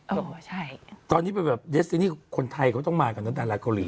เออใช่ตอนนี้แบบแบบเดสซินี่คนไทยเขาต้องมากับน้ำตาลัดเกาหลี